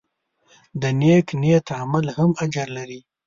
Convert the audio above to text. د نیک نیت عمل هم اجر لري.